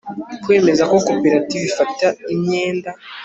kwemeza ko koperative ifata imyenda